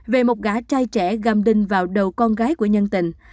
về một gã trai trẻ găm đinh vào đầu con gái của nhân tình